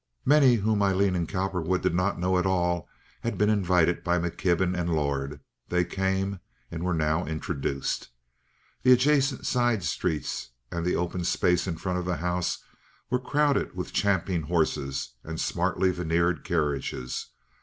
Many whom Aileen and Cowperwood did not know at all had been invited by McKibben and Lord; they came, and were now introduced. The adjacent side streets and the open space in front of the house were crowded with champing horses and smartly veneered carriages.